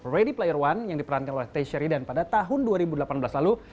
ready player one yang diperankan oleh tes sharidan pada tahun dua ribu delapan belas lalu